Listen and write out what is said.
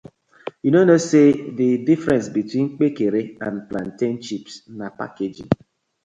Yu no kno say di difference between Kpekere and plantain chips na packaging.